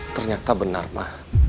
ternyata benar ma